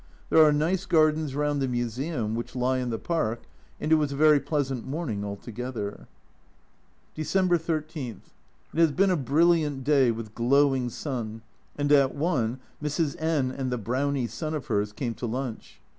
There are nice gardens round the Museum, which lie in the Park, and it was a very pleasant morning altogether. December 13. It has been a brilliant day with glowing sun, and at one Mrs. N and the Brownie son of hers came to lunch.